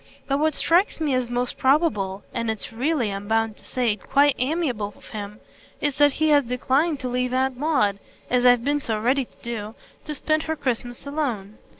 But what strikes me as most probable and it's really, I'm bound to say, quite amiable of him is that he has declined to leave Aunt Maud, as I've been so ready to do, to spend her Christmas alone.